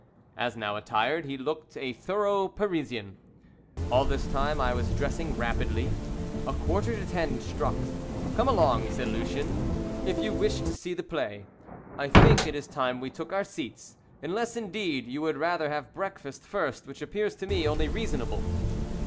As now attired, he looked a thorough Parisian. All this time I was dressing rapidly. A quarter to ten struck. "Come along," said Lucien, "if you wish to see the play. I think it is time we took our seats, unless, indeed, you would rather have breakfast first, which appears to me only reasonable."